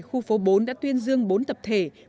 khu phố bốn đã tuyên dương bốn tập thể